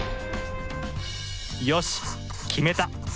よし決めた。